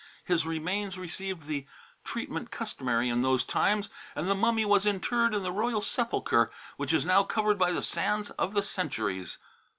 His remains received the treatment customary in those times, and the mummy was interred in the royal sepulchre which is now covered by the sands of the centuries.